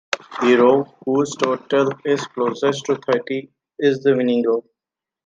The row whose total is closest to thirty is the winning row.